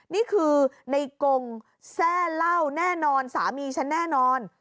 นี่คือในกงแซ่เล่าแน่นอนสามีฉันแน่นอน